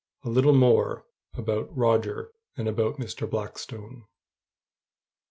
A LITTLE MORE ABOUT ROGER, AND ABOUT MR. BLACKSTONE.